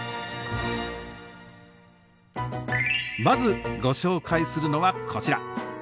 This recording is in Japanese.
まずご紹介するのはこちら。